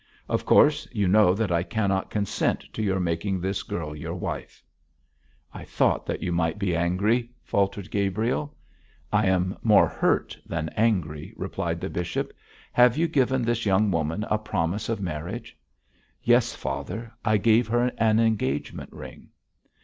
Of course, you know that I cannot consent to your making this girl your wife.' 'I thought that you might be angry,' faltered Gabriel. 'I am more hurt than angry,' replied the bishop. 'Have you given this young woman a promise of marriage?' 'Yes, father; I gave her an engagement ring.'